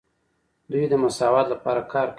دوی د مساوات لپاره کار کوي.